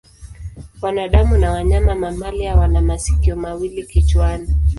Wanadamu na wanyama mamalia wana masikio mawili kichwani.